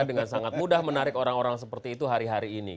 dengan sangat mudah menarik orang orang seperti itu hari hari ini